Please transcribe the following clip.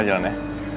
saya jalan ya